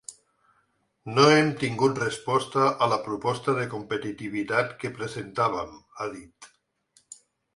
No hem tingut resposta a la proposta de competitivitat que presentàvem, ha dit.